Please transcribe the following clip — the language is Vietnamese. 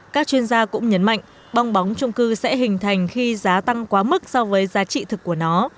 các chuyên gia cũng nhấn mạnh bong bóng trung cư sẽ hình thành khi giá tăng quá mức so với giá trị thực của nó